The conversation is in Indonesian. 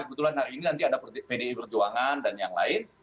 kebetulan hari ini nanti ada pdi perjuangan dan yang lain